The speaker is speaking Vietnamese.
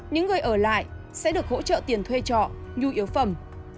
những người ở lại sẽ được hỗ trợ tiền thuê trọ nhu yếu phẩm